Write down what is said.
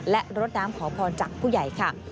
และรดน้ำขอพรจากผู้ใหญ่ค่ะ